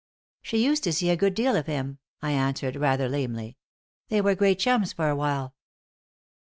"She used to see a good deal of him," I answered, rather lamely. "They were great chums for a while."